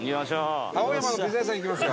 青山のピザ屋さん行きますよ。